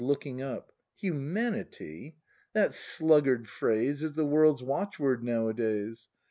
[Looking up.] Humanity! — That sluggard phrase Is the world's watchword nowadays.